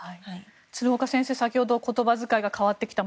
鶴岡先生、先ほど言葉遣いが変わってきた。